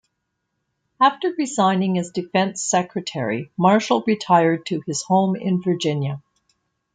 After resigning as Defense Secretary, Marshall retired to his home in Virginia.